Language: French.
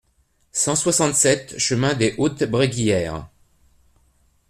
cent soixante-sept chemin des Hautes Bréguières